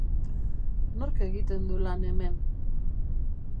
Nork egiten du lan hemen?